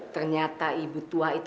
ternyata ibu tua itu